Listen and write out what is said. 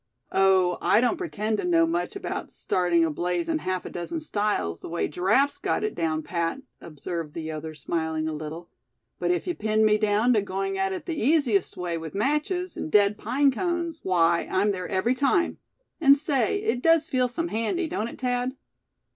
"Oh! I don't pretend to know much about starting a blaze in half a dozen styles, the way Giraffe's got it down pat," observed the other, smiling a little; "but if you pin me down to going at it the easiest way, with matches, and dead pine cones, why I'm there every time. And say, it does feel some handy, don't it, Thad?"